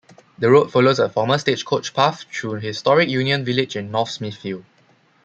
The road follows a former stagecoach path through historic Union Village in North Smithfield.